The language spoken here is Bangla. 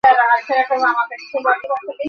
কার্ল মার্ক্সের তিনি সমালোচনা করেছেন।